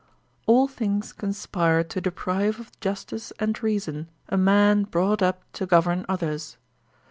* All things conspire to deprive of justice and reason a man brought up to govern others.